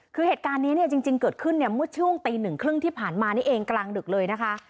คือเหตุการณ์นี้เนี่ยจริงเกิดขึ้นเนี่ยเมื่อช่วงตีหนึ่งครึ่งที่ผ่านมานี่เองกลางดึกเลยนะคะ